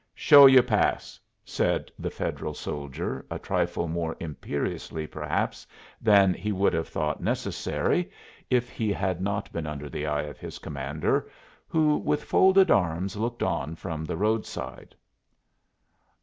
"Show your pass," said the Federal soldier, a trifle more imperiously perhaps than he would have thought necessary if he had not been under the eye of his commander, who with folded arms looked on from the roadside.